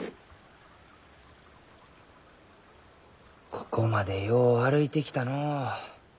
ここまでよう歩いてきたのう。